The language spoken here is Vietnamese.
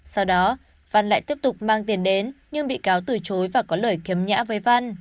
sau đó văn lại tiếp tục mang tiền đến nhưng bị cáo từ chối và có lời kiếm nhã với văn